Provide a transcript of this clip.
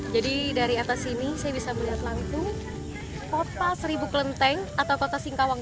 jadi dari atas sini saya bisa melihat langsung kota seribu klenteng atau singkawang